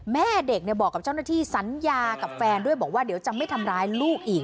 แม่เด็กบอกกับเจ้าหน้าที่สัญญากับแฟนด้วยบอกว่าเดี๋ยวจะไม่ทำร้ายลูกอีก